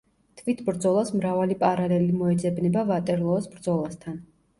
თვით ბრძოლას მრავალი პარალელი მოეძებნება ვატერლოოს ბრძოლასთან.